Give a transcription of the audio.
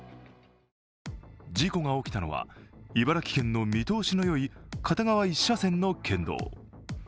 事故が起きたのは、茨城県の見通しの良い片側一車線の県道。